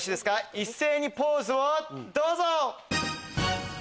一斉にポーズをどうぞ！